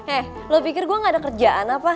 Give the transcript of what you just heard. eh lo pikir gue gak ada kerjaan apa